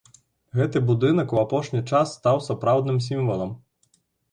Гэты будынак у апошні час стаў сапраўдным сімвалам.